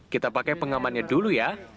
kita pakai pengamannya dulu ya